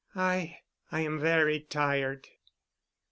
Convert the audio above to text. "I—I am very tired."